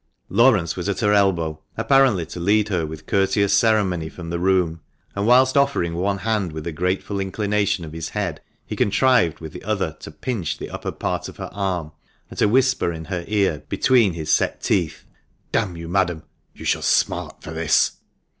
Laurence was at her elbow, apparently to lead her with courteous ceremony from the room, and whilst offering one hand with a graceful inclination of his head, he contrived with the other to pinch the upper part of her arm, and to whisper in her ear, between his set teeth —" D — n you, madam ! You shall smart for this